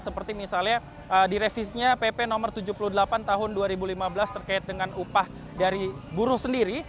seperti misalnya di revisinya pp no tujuh puluh delapan tahun dua ribu lima belas terkait dengan upah dari buruh sendiri